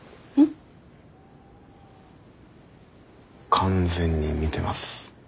完全に見てます。